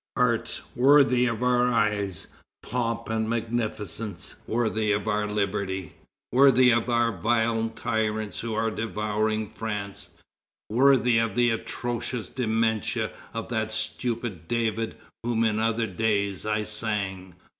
Arts worthy of our eyes, pomp and magnificence Worthy of our liberty, Worthy of the vile tyrants who are devouring France, Worthy of the atrocious dementia Of that stupid David whom in other days I sang!